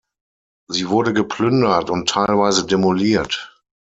Sie wurde geplündert und teilweise demoliert.